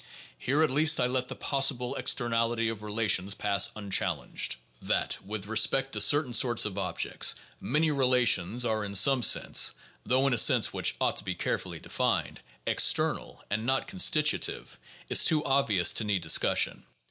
Here, at least, I let the possible externality of relations pass unchallenged. That, with respect to certain sorts of objects, many relations are in some sense (though in a sense which ought to be carefully denned) external and not constitutive, is too obvious to need discussion.